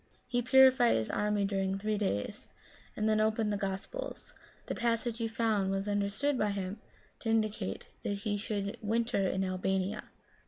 He purified his army during three days, and then opened the Gospels. The passage he found was understood by him to indicate that he should winter in Albania.